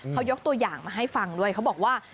เขายกตัวอย่างมาให้ฟังด้วยเขาบอกว่า